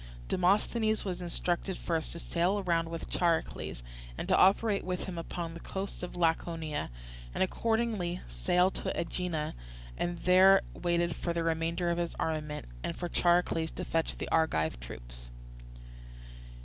Demosthenes was instructed first to sail round with Charicles and to operate with him upon the coasts of Laconia, and accordingly sailed to Aegina and there waited for the remainder of his armament, and for Charicles to fetch the Argive troops.